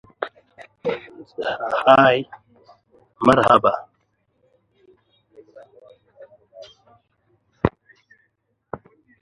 Early preparations, using stannous chloride as the reductant, also started with chloropicrin.